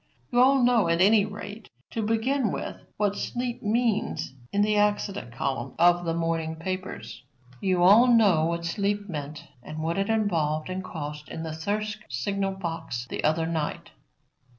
You all know, at any rate, to begin with, what sleep means in the accident column of the morning papers. You all know what sleep meant and what it involved and cost in the Thirsk signal box the other night.